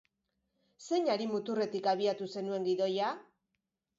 Zein hari muturretik abiatu zenuen gidoia?